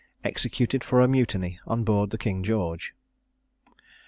EXECUTED FOR A MUTINY ON BOARD THE KING GEORGE.